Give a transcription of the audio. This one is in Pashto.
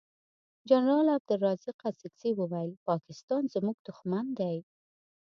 جنرال عبدلرازق اڅګزی وویل پاکستان زمونږ دوښمن دی.